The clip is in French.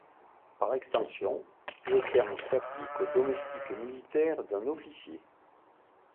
Par extension, le terme s'applique au domestique militaire d'un officier.